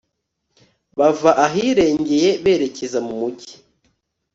bava ahirengeye berekeza mu mugi